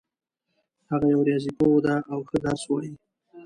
هغه یو ریاضي پوه ده او ښه درس وایي